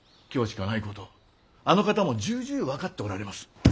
今日しかないことあの方も重々分かっておられます。